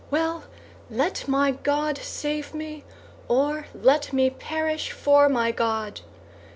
"Well, let my God save me, or let me perish for my God!